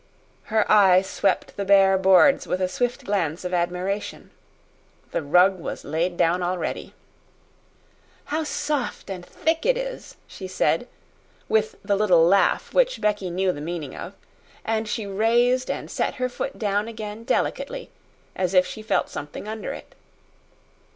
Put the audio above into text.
Her eye swept the bare boards with a swift glance of admiration. The rug was laid down already. "How soft and thick it is!" she said, with the little laugh which Becky knew the meaning of; and she raised and set her foot down again delicately, as if she felt something under it.